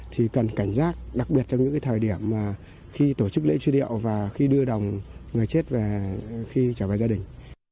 thì cần cảnh giác đặc biệt trong những thời điểm khi tổ chức lễ truyền điệu và khi đưa đồng người chết và khi trở về gia đình